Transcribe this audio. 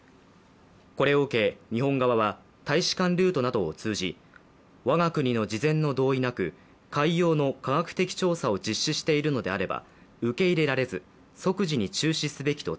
これを受け日本側は大使館ルートなどを通じ我が国の事前の同意なく海洋の科学的調査を実施しているのであれば受け入れられず即時に中止すべきと